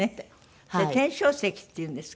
天照石っていうんですか？